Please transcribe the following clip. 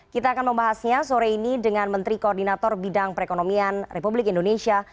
kita akan membahasnya sore ini dengan menteri koordinator bidang perekonomian republik indonesia